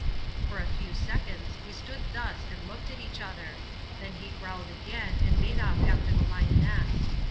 For a few seconds we stood thus and looked at each other; then he growled again and made off after the lioness.